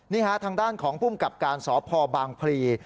นี่ฮะทางด้านของภูมิกับการสพบางพลี